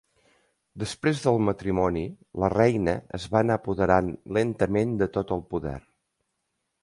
Després del matrimoni la reina es va anar apoderant lentament de tot el poder.